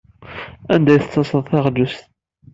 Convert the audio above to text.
Anda ay tettesseḍ taɣlust?